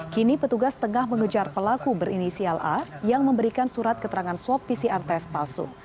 kini petugas tengah mengejar pelaku berinisial a yang memberikan surat keterangan swab pcr tes palsu